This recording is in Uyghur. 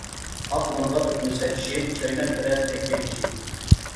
ئاق نانغا ئۆتمىسە چىشى، چايناپ بېرەر تەگكەن كىشى.